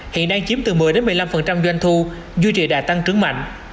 hiện đang chiếm từ một mươi một mươi năm doanh thu duy trì đạt tăng trưởng mạnh